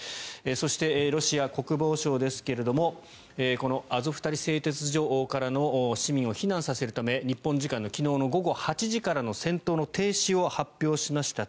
そしてロシア国防省ですけれどもこのアゾフスタリ製鉄所からの市民を避難させるため日本時間の昨日午後８時からの戦闘の停止を発表しました。